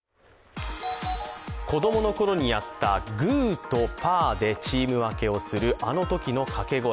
子供のころにやったグーとパーでチーム分けをするあのときのかけ声